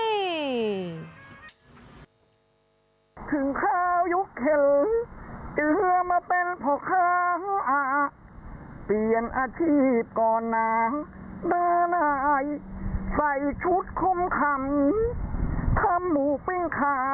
ได้ทุกเมื่อถ้าหิวก็มาหาเจือลูกจอง